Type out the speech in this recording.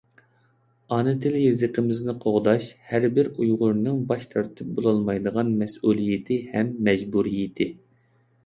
ئانا تىل-يېزىقىمىزنى قوغداش — ھەربىر ئۇيغۇرنىڭ باش تارتىپ بولمايدىغان مەسئۇلىيىتى ھەم مەجبۇرىيىتى.